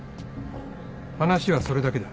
話はそれだけだ。